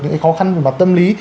những cái khó khăn về mặt tâm lý